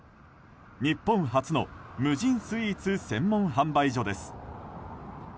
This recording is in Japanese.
日本初の無人スイーツ専門販売所です。